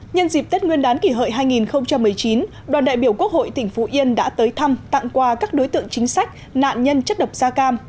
nhân dịp tết nguyên đán kỷ hợi hai nghìn một mươi chín đoàn đại biểu quốc hội tỉnh phú yên đã tới thăm tặng quà các đối tượng chính sách nạn nhân chất độc da cam